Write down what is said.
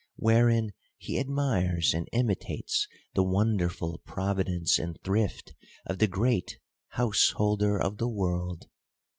Wherein he admires and imitates the wonderful providence and thrift of the great House holder of the world.